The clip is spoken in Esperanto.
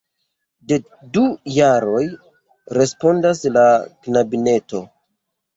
De du jaroj, respondas la knabineto.